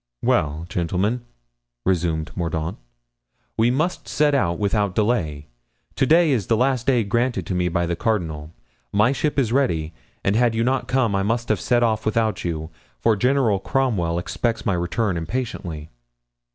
"Well, gentlemen," resumed Mordaunt, "we must set out without delay, to day is the last day granted me by the cardinal. My ship is ready, and had you not come I must have set off without you, for General Cromwell expects my return impatiently."